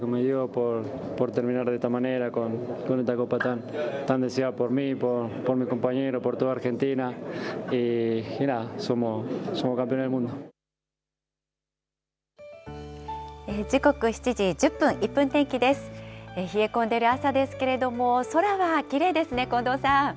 冷え込んでる朝ですけれども、空はきれいですね。